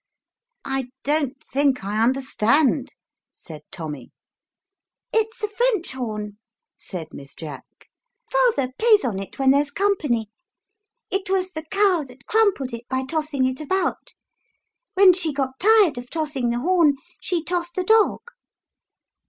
"I don't think I under stand/' said Tommy. " It's a French horn/' said Miss Jack ;" father plays on it when there's company. It was the cow that crumpled it by tossing it about. When she got tired of tossing the horn, she tossed the dog.